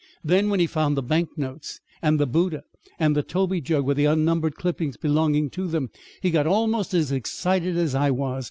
"Then when he found the bank notes and the Buddha and the toby jug with the unnumbered clippings belonging to them, he got almost as excited as I was.